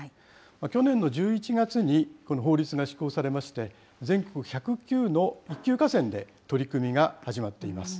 去年の１１月にこの法律が施行されまして、全国１０９の一級河川で取り組みが始まっています。